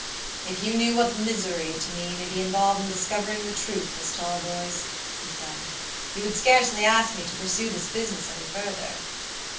"If you knew what misery to me may be involved in discovering the truth, Miss Talboys," he said, "you would scarcely ask me to pursue this business any farther?"